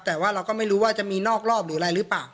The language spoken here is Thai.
แต่ว่าเราก็ไม่รู้ว่าจะมีนอกรอบหรืออะไรหรือเปล่า